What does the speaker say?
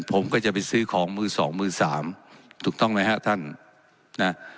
ผมก็จะไปซื้อของมือสองมือสามถูกต้องไหมฮะท่านนะ